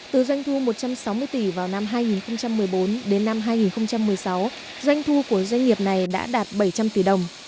từ doanh thu một trăm sáu mươi tỷ vào năm hai nghìn một mươi bốn đến năm hai nghìn một mươi sáu doanh thu của doanh nghiệp này đã đạt bảy trăm linh tỷ đồng